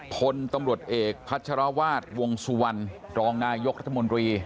พลตำรวจเอกพัชรวาสวงสุวรรณรองนายกรัฐมนตรี